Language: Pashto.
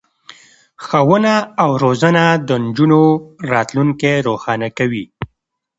ښوونه او روزنه د نجونو راتلونکی روښانه کوي.